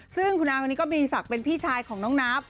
ซึ่งคุณอาคนนี้ก็มีศักดิ์เป็นพี่ชายของน้องนับ